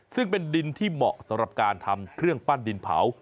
ซึ่งเป็นดินที่เหมาะสำหรับการทำเครื่องปั้นดินเผา